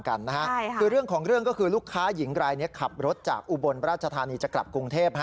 คือเรื่องของเรื่องก็คือลูกค้าหญิงรายนี้ขับรถจากอุบลราชธานีจะกลับกรุงเทพ